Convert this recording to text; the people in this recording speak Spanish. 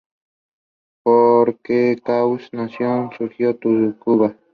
Parque Cuasi Nacional Suigō-Tsukuba.